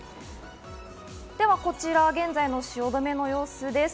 こちら現在の汐留の様子です。